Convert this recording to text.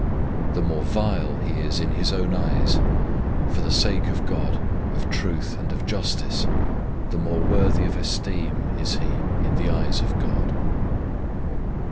The more vile he is in his own eyes for the sake of God, of truth, and of justice, the more worthy of esteem is he in the eyes of God.